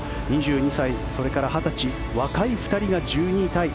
２２歳、それから２０歳若い２人が１２位タイ。